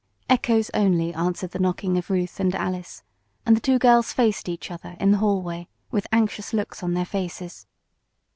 Echoes only answered the knocking of Ruth and Alice, and the two girls faced each other in the hallway with anxious looks on their faces.